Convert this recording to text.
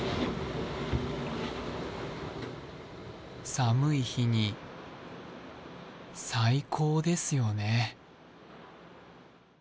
寒い日に最高ですよね。